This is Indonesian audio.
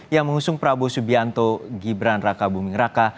yang mengusung prabowo subianto gibran raka buming raka